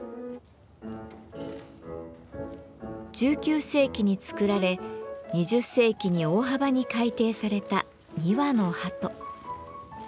１９世紀に作られ２０世紀に大幅に改訂された「二羽の鳩」。